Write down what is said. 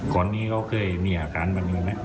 ก่อนนี้เขาเคยมีอาการแบบนี้ไหม